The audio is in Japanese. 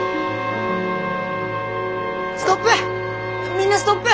ストップ！